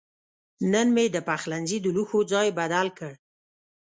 نن مې د پخلنځي د لوښو ځای بدل کړ.